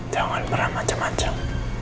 jangan pernah macem macem